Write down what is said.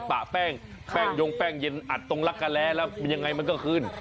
ปะแป้งแป้งยงแป้งเย็นอัดตรงลักกะแร้แล้วมันยังไงมันก็ขึ้น